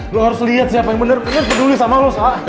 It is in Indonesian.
lo harus lihat siapa yang bener peduli sama lo asah